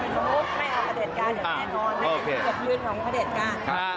ดูจากยืนหัวประเด็นกาย